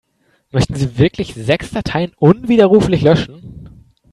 Möchten Sie wirklich sechs Dateien unwiderruflich löschen?